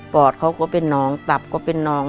อดเขาก็เป็นน้องตับก็เป็นน้อง